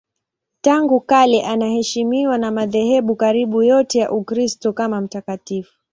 Tangu kale anaheshimiwa na madhehebu karibu yote ya Ukristo kama mtakatifu.